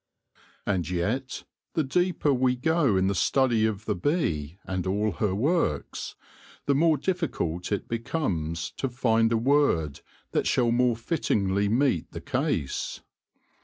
And yet, the deeper we go in the study of the bee and all her works, the more difficult it becomes to find a word that shall more fittingly meet the case.